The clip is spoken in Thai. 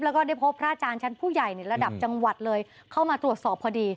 แล้วก็ได้พบพระอาจารย์ชั้นผู้ใหญ่ในระดับจังหวัดเลยเข้ามาตรวจสอบพอดี